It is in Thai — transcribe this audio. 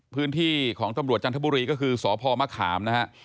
พื้นที่ของตำรวจจันทบุรีก็คือสพมนะครับ